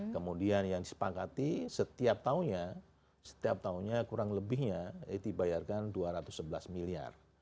kemudian yang disepakati setiap tahunnya setiap tahunnya kurang lebihnya dibayarkan dua ratus sebelas miliar